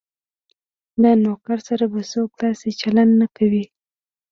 له نوکر سره به څوک داسې چلند نه کوي.